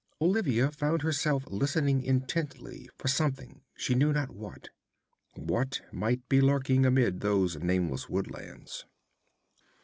Olivia found herself listening intently for something, she knew not what. What might be lurking amid those nameless woodlands?